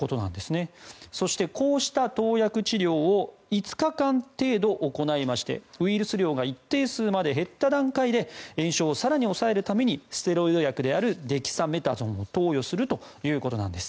そして、こうした投薬治療を５日間程度行いましてウイルス量が一定数まで減った段階で炎症を更に抑えるためにステロイド薬であるデキサメタゾンを投与するということなんです。